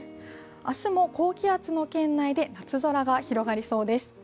明日も高気圧の圏内で夏空が広がりそうです。